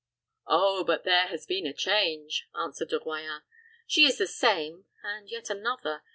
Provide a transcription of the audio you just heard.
"Oh, but there has been a change," answered De Royans. "She is the same, and yet another.